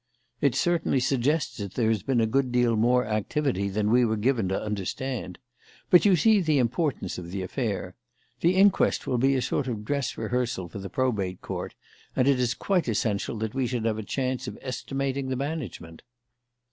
"It certainly suggests that there has been a good deal more activity than we were given to understand. But you see the importance of the affair. The inquest will be a sort of dress rehearsal for the Probate Court, and it is quite essential that we should have a chance of estimating the management."